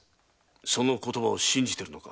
その言葉を信じてるのか？